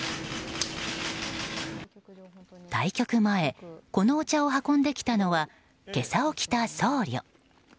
対局前このお茶を運んできたのは袈裟を着た僧侶。